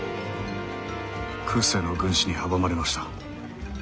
空誓の軍師に阻まれました。